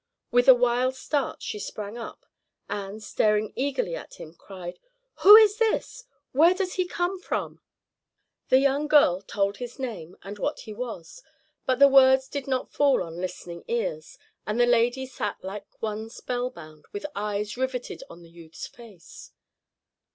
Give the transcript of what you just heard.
With a wild start, she sprang up, and, staring eagerly at him, cried, "Who is this? Where does he come from?" [Illustration: frontispiece] The young girl told his name and what he was; but the words did not fall on listening ears, and the lady sat like one spell bound, with eyes riveted on the youth's face.